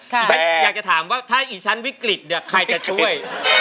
ดิฉันอยากจะถามว่าถ้าอีชั้นวิกฤตเนี่ยใครจะช่วย